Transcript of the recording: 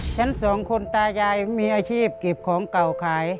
ฉันสองคนตายายมีอาชีพเก็บของเก่าขาย